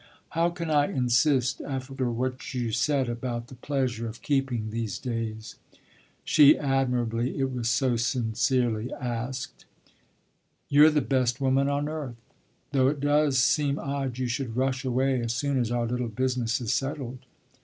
"How can I insist after what you said about the pleasure of keeping these days?" she admirably it was so all sincerely asked. "You're the best woman on earth though it does seem odd you should rush away as soon as our little business is settled."